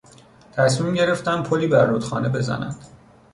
تصمیم گرفتند پلی بر رودخانه بزنند.